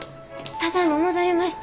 ただいま戻りました。